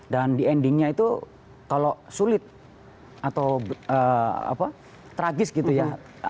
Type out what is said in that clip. dan di endingnya itu kalau sulit atau tragis gitu ya